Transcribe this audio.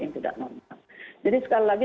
yang tidak normal jadi sekali lagi